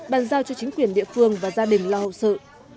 bàn giao cho chính quyền địa phương và gia đình lo hậu sự